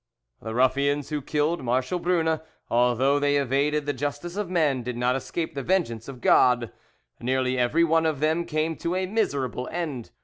The ruffians who killed Marshal Brune, although they evaded the justice of men, did not escape the vengeance of God: nearly every one of them came to a miserable end.